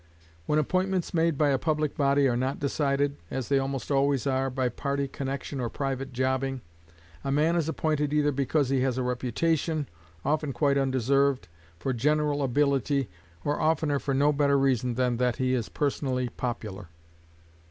When appointments made by a public body are not decided, as they almost always are, by party connection or private jobbing, a man is appointed either because he has a reputation, often quite undeserved, for general ability, or oftener for no better reason than that he is personally popular.